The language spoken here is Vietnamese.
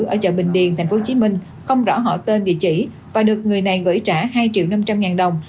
ở chợ bình điền tp hcm không rõ họ tên địa chỉ và được người này gửi trả hai triệu năm trăm linh ngàn đồng